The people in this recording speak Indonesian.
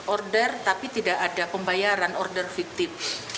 order tapi tidak ada pembayaran order fiktif